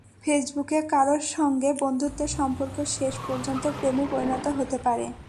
ফেসবুকে কারও সঙ্গে বন্ধুত্বের সম্পর্ক শেষ পর্যন্ত প্রেমে পরিণত হতে পারে।